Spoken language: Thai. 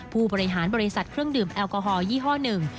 ผู้บริหารบริษัทเครื่องดื่มแอลกอฮอลยี่ห้อหนึ่ง